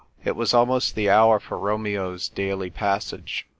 It was almost the hour for Romeo's daily passage.